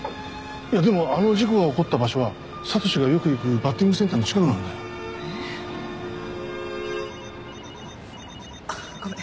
いやでもあの事故が起こった場所は悟史がよく行くバッティングセンターの近くなんだよ。えっ？あっごめん。